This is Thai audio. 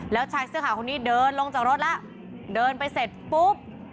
แล้วชายเสื้อขาวคนนี้เดินลงจากรถแล้วเดินไปเสร็จปุ๊บ